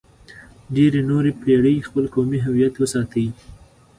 ډېرې نورې پېړۍ خپل قومي هویت وساتئ.